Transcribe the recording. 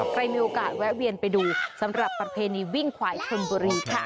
ใครมีโอกาสแวะเวียนไปดูสำหรับประเพณีวิ่งขวายชนบุรีค่ะ